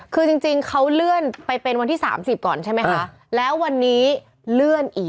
คือจริงเขาเลื่อนไปเป็นวันที่๓๐ก่อนใช่ไหมคะแล้ววันนี้เลื่อนอีก